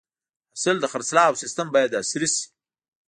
د حاصل د خرڅلاو سیستم باید عصري شي.